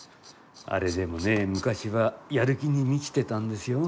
あれでもね昔はやる気に満ちてたんですよ。